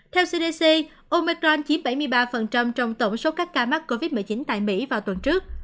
theo cdc omecron chiếm bảy mươi ba trong tổng số các ca mắc covid một mươi chín tại mỹ vào tuần trước